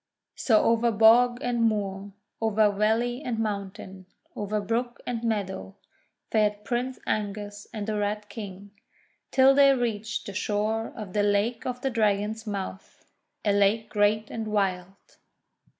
So over bog and moor, over valley and moun tain, over brook and meadow, fared Prince Angus and the Red King, till they reached the shore of the Lake of the Dragon's Mouth, a lake great and wild.